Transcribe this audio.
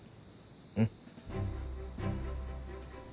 うん。